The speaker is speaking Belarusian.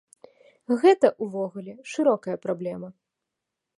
Гэта ўвогуле шырокая праблема.